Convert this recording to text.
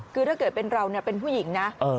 คือถ้าเกิดเป็นเราเป็นผู้หญิงนะ